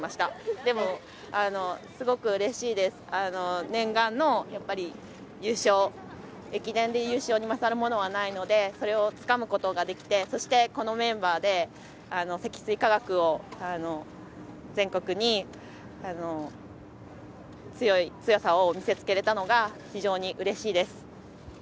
でもすごくうれしいです、念願の優勝、駅伝に優勝にまさるものはないので、それをつかむことができて、そしてこのメンバーで積水化学を全国に強さを見せつけれたのが非常にうれしいです。